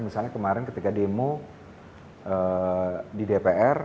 misalnya kemarin ketika demo di dpr